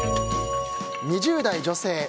２０代女性。